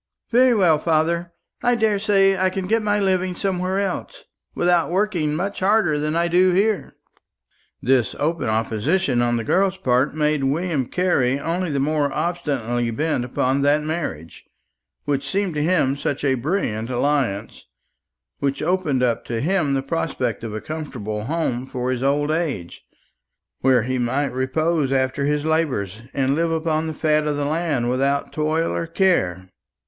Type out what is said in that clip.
"Very well, father; I daresay I can get my living somewhere else, without working much harder than I do here." This open opposition on the girl's part made William Carley only the more obstinately bent upon that marriage, which seemed to him such a brilliant alliance, which opened up to him the prospect of a comfortable home for his old age, where he might repose after his labours, and live upon the fat of the land without toil or care.